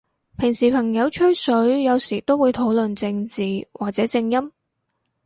平時朋友吹水，有時都會討論正字或者正音？